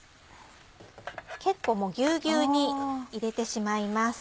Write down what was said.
結構ぎゅうぎゅうに入れてしまいます。